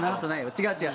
違う違う。